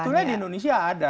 sebetulnya di indonesia ada